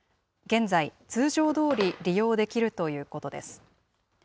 現在、通常どおり利用できるということです。